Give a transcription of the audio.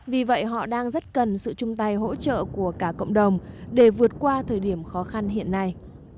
vì vậy họ đang rất cần sự chung tay hỗ trợ của cả cộng đồng để vượt qua thời điểm khó khăn hiện nay